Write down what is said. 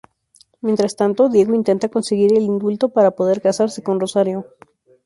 Mientras tanto, Diego intenta conseguir el indulto para poder casarse con Rosario.